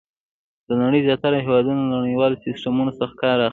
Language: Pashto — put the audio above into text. د نړۍ زیاتره هېوادونه له نړیوالو سیسټمونو څخه کار اخلي.